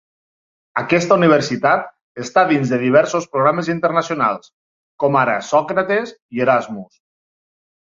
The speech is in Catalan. Aquesta universitat està dins de diversos programes internacionals, com ara Sòcrates i Erasmus.